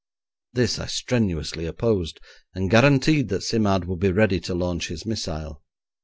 This I strenuously opposed, and guaranteed that Simard would be ready to launch his missile.